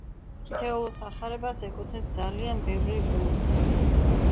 თითოეულ სახარებას ეკუთვნის ძალიან ბევრი ილუსტრაცია.